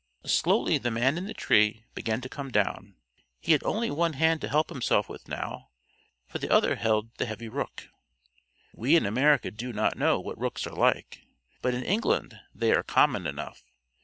Slowly the man in the tree began to come down. He had only one hand to help himself with now, for the other held the heavy rook. We in America do not know what rooks are like, but in England they are common enough.